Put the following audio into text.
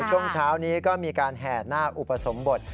ช่วงเช้านี้ก็มีการแห่นาคอุปสมบท